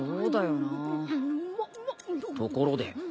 ところで。